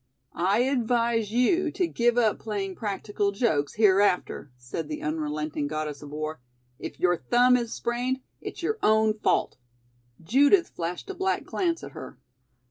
"I advise you to give up playing practical jokes hereafter," said the unrelenting Goddess of War. "If your thumb is sprained, it's your own fault." Judith flashed a black glance at her.